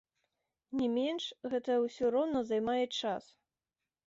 Не менш, гэта ўсё роўна займае час!